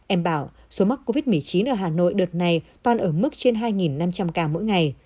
em bảo số mắc covid một mươi chín ở hà nội đợt này toàn ở mức trên hai năm trăm linh ca mỗi ngày